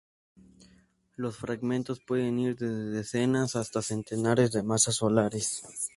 Los fragmentos pueden ir desde decenas hasta centenares de masas solares.